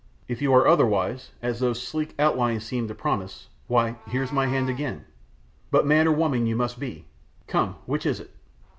If you are otherwise, as those sleek outlines seem to promise why, here's my hand again! But man or woman you must be come, which is it?"